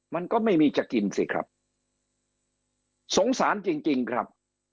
มันก็ไม่มีจะกินสิครับสงสารจริงจริงครับ